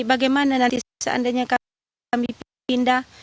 bagaimana nanti seandainya kami pindah